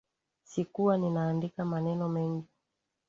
Sikuwa ninaandika maneno mengi